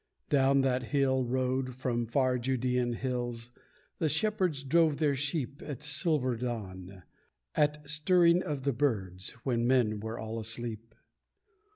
Down that still road from far Judean hills The shepherds drove their sheep At silver dawn at stirring of the birds When men were all asleep.